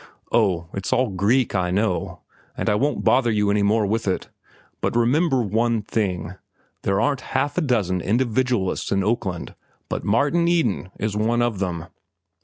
—Oh, it's all Greek, I know, and I won't bother you any more with it. But remember one thing. There aren't half a dozen individualists in Oakland, but Martin Eden is one of them."